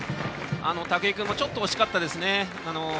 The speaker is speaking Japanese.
武井君もちょっと惜しかったです。